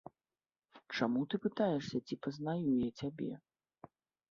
Чаму ты пытаешся, ці пазнаю я цябе?